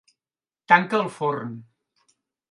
Tanca el forn.